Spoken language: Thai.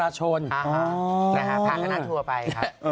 พาทางัตรศักดิ์ตัวไป